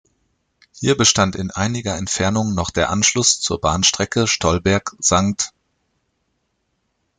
Hier bestand in einiger Entfernung noch der Anschluss zur Bahnstrecke Stollberg–St.